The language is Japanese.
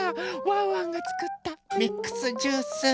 ワンワンがつくったミックスジュース。